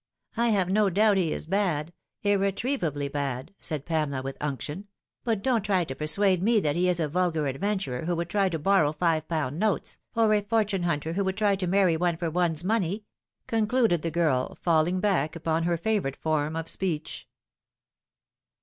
I have no doubt he is bad, irretrievably bad," said Pamela with unction ;" but don't try to persuade me that he is a vulgar adventurer who would try to borrow five pound notes, or a fortune hunter who would try to marry one for one's money," concluded the girl, falling back upon her favourite form of speech.